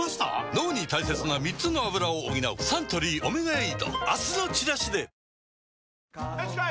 脳に大切な３つのアブラを補うサントリー「オメガエイド」明日のチラシでよしこい！